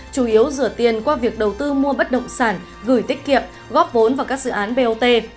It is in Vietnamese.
chủ yếu rửa tiền qua việc đầu tư mua bất động sản gửi tiết kiệm góp vốn vào các dự án bot